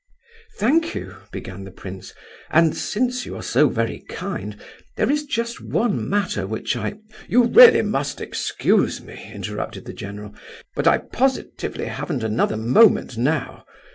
"Thank you," began the prince; "and since you are so very kind there is just one matter which I—" "You must really excuse me," interrupted the general, "but I positively haven't another moment now.